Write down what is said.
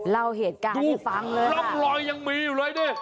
เล่าเหตุการณ์ให้ฟังเลยร่องรอยยังมีอยู่เลยดิ